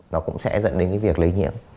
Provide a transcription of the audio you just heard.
nó cũng sẽ dẫn đến cái việc lấy nhiễm